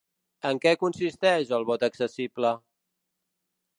En què consisteix el vot accessible?